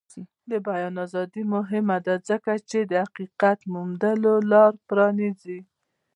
د بیان ازادي مهمه ده ځکه چې د حقیقت موندلو لاره پرانیزي.